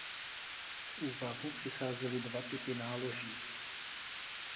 V úvahu přicházely dva typy náloží.